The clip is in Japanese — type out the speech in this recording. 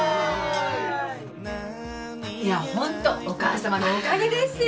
いや本当お母様のおかげですよ。